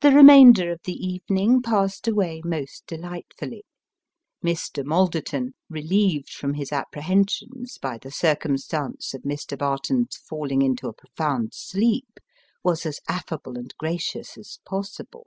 The remainder of the evening passed away most delightfully. Mr. Malderton, relieved from his apprehensions by the circumstance of Mr. Barton's falling into a profound sleep, was as aftable and gracious as possible.